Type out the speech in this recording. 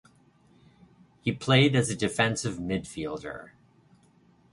He played as a defensive midfielder.